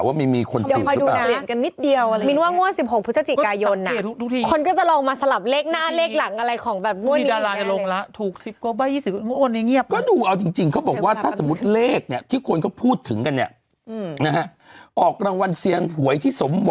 แต่พี่บอกเลข๘ไงครับ